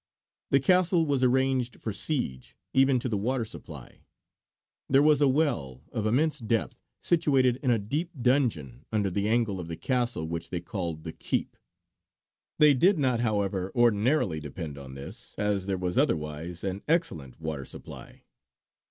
The Castle was arranged for siege, even to the water supply; there was a well of immense depth situated in a deep dungeon under the angle of the castle which they called the Keep. They did not, however, ordinarily depend on this, as there was otherwise an excellent water supply.